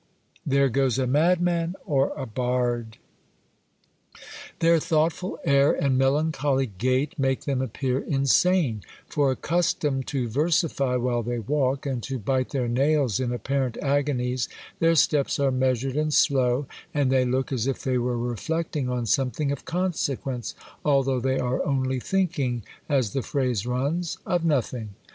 There goes a madman or a bard! "Their thoughtful air and melancholy gait make them appear insane; for, accustomed to versify while they walk, and to bite their nails in apparent agonies, their steps are measured and slow, and they look as if they were reflecting on something of consequence, although they are only thinking, as the phrase runs, of nothing!"